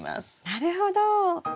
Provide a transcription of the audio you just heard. なるほど。